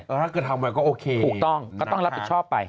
ถ้าคือทำไว้ก็โอเคถูกต้องก็ต้องรับตัวชอบไป